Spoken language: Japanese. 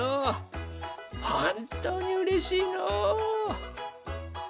ほんとうにうれしいのう！